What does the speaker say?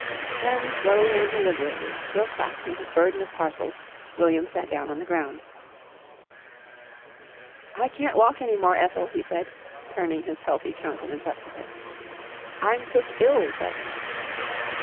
Then, slowly and deliberately, still clasping his burden of parcels, William sat down on the ground. "I can't walk any more, Ethel," he said, turning his healthy countenance up to her. "I'm took ill sudden."